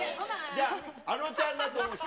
じゃあ、あのちゃんだと思う人。